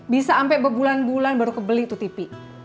bisa sampai berbulan bulan baru kebeli tuh tipi